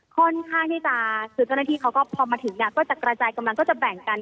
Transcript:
ค่อนข้างที่จะคือเจ้าหน้าที่เขาก็พอมาถึงเนี่ยก็จะกระจายกำลังก็จะแบ่งกัน